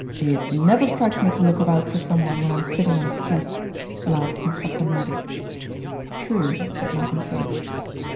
"It never strikes me to look about for someone when I'm sitting on his chest," laughed Inspector Murdy. "True," said Malcolm Sage.